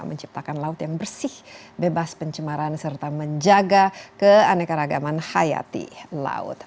menciptakan laut yang bersih bebas pencemaran serta menjaga keanekaragaman hayati laut